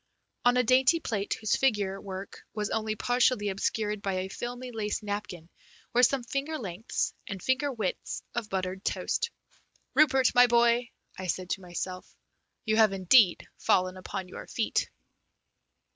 On a dainty plate whose figure work was only partially obscured by a filmy lace napkin were some finger lengths and finger widths of buttered toast. "Rupert, my boy," I said to myself, "you have indeed fallen upon your feet!"